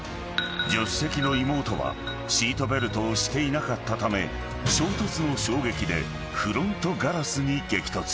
［助手席の妹はシートベルトをしていなかったため衝突の衝撃でフロントガラスに激突］